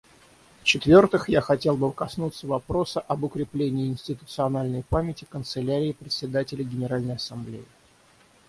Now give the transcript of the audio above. Вчетвертых, я хотел бы коснуться вопроса об укреплении институциональной памяти Канцелярии Председателя Генеральной Ассамблеи.